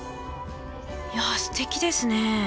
いやすてきですね。